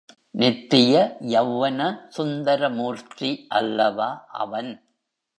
நித்திய யெளவன சுந்தரமூர்த்தி அல்லவா அவன்?